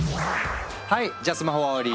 はいじゃあスマホ終わり！